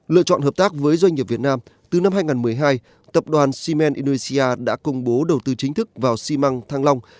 lựa chọn hợp tác với doanh nghiệp việt nam từ năm hai nghìn một mươi hai tập đoàn siemens indonesia đã công bố đầu tư chính thức vào simang thang long